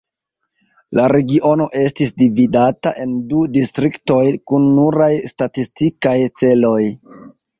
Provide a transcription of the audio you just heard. La regiono estis dividata en du distriktoj kun nuraj statistikaj celoj.